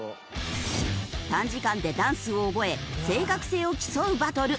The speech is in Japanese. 短時間でダンスを覚え正確性を競うバトル。